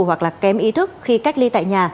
hoặc là kém ý thức khi cách ly tại nhà